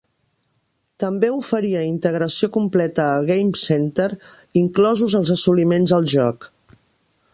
També oferia integració completa a Game Center, inclosos els assoliments al joc.